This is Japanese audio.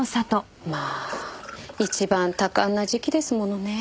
まあ一番多感な時期ですものね。